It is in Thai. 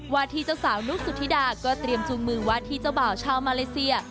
ที่เจ้าสาวนุกสุธิดาก็เตรียมจูงมือวาธิเจ้าบ่าวชาวมาเลเซีย